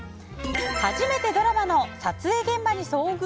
初めてドラマの撮影現場に遭遇。